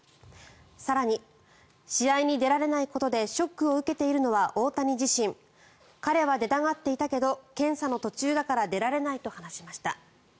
更に、試合に出られないことでショックを受けているのは大谷自身彼は出たがっていたけど検査の途中だから出られないと話しました。